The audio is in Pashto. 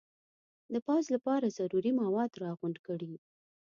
د پوځ لپاره ضروري مواد را غونډ کړي.